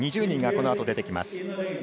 ２０人がこのあと、出てきます。